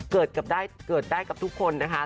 เกิดได้กับทุกคนนะคะ